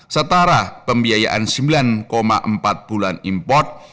setara pembiayaan sembilan empat bulan import